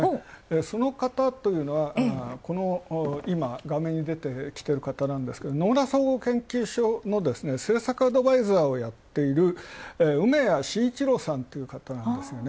その方というのはこの今、画面に出てきている野村総合研究所の政策アドバイザーをやっている梅屋真一郎さんという方なんですよね。